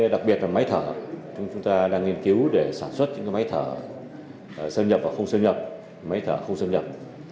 đặc biệt là máy thở chúng ta đang nghiên cứu để sản xuất những máy thở sơn nhập và không sơn nhập máy thở không sơn nhập